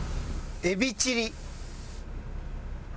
エビチリ。